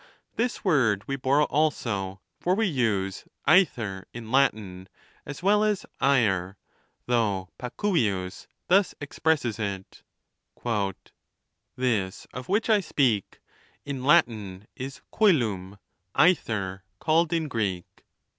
This word we borrow also, for we use aether in Latin as well as aer; though Pacuvius thus ex presses it, This, of which I speak, In Latin 's caelum, mther call'J in Greek.